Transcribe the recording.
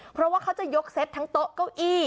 เพราะว่าเขาจะยกเซตทั้งโต๊ะเก้าอี้